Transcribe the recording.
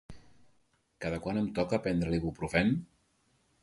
Cada quant em toca prendre l'Ibuprofèn?